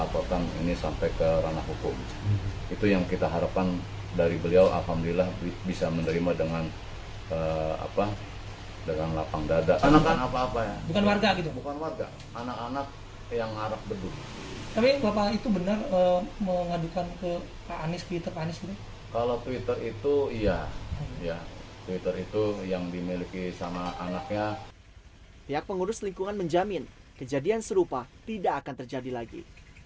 pihak pengurus lingkungan menjamin kejadian serupa tidak akan terjadi lagi